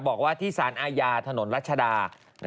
บอกว่าที่สารอาญาถนนรัชดา